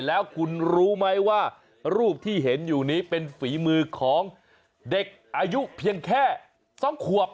แล้วคุณรู้ไหมว่ารูปที่เห็นอยู่นี้เป็นฝีมือของเด็กอายุเพียงแค่๒ขวบ